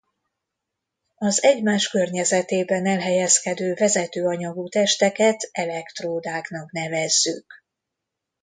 Az egymás környezetében elhelyezkedő vezető anyagú testeket elektródáknak nevezzük.